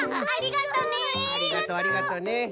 ありがとね！